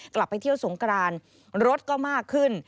กลับไปเที่ยวสงกรานรถก็มากขึ้น